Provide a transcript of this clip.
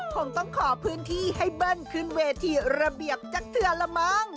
คงต้องขอพื้นที่ให้เบิ้ลขึ้นเวทีระเบียบจากเธอละมั้ง